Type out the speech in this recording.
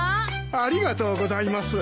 ありがとうございます。